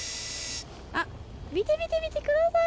あっ見て見て見てください！